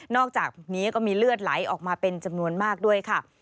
อกจากนี้ก็มีเลือดไหลออกมาเป็นจำนวนมากด้วยค่ะ